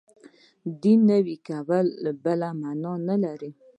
دین نوی کول بله معنا نه لري.